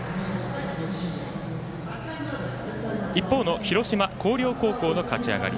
一方の広島・広陵高校の勝ち上がり。